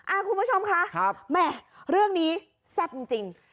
อ่าคุณผู้ชมคะครับแหมเรื่องนี้แซ่บจริงจริง